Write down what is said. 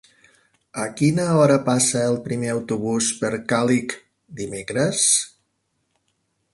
A quina hora passa el primer autobús per Càlig dimecres?